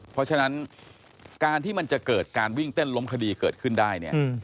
เพราะฉะนั้นการที่มันจะเกิดการวิ่งเต้นล้มคดีเกิดขึ้นได้เนี่ย